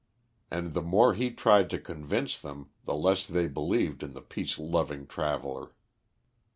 and the more he tried to convince them, the less they believed in the peace loving traveller.